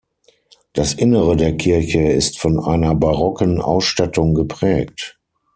Das Innere der Kirche ist von einer barocken Ausstattung geprägt.